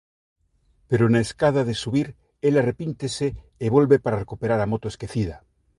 Pero na escada de subir el arrepíntese e volve para recuperar a moto esquecida.